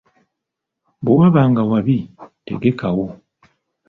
Bwe waba nga wabi, tegekawo.